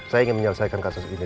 saya ingin menyelesaikan kasus ini